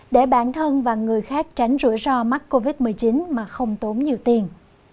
để bản thân và người khác tránh rủi ro mắc covid một mươi chín mà không tốn nhiều tiền